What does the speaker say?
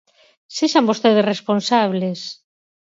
Sexan vostedes responsables.